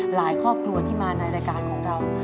ครอบครัวที่มาในรายการของเรา